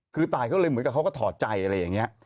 คือตายเขาเลยเหมือนกับเขาก็ถอดใจอะไรอย่างนี้